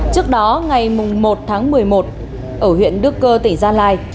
trước đó ngày một tháng một mươi một ở huyện đức cơ tỉnh gia lai